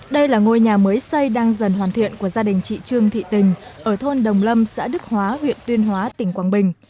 đây là ngôi nhà mới xây đang dần hoàn thiện của gia đình chị trương thị tình ở thôn đồng lâm xã đức hóa huyện tuyên hóa tỉnh quảng bình